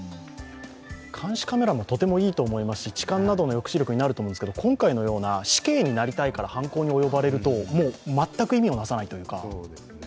監視カメラもとてもいいと思いますし、痴漢などの抑止力にもなると思うんですけど、今回のような死刑になりたいからと犯行に及ばれるともう全く意味をなさないというか。